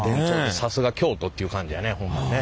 さすが京都っていう感じやねホンマにね。